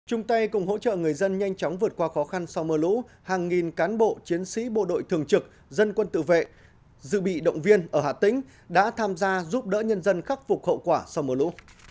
trung tay cùng hỗ trợ người dân nhanh chóng vượt qua khó khăn sau mưa lũ hàng nghìn cán bộ chiến sĩ bộ đội thường trực dân quân tự vệ dự bị động viên ở hà tĩnh đã tham gia giúp đỡ nhân dân khắc phục hậu quả sau mưa lũ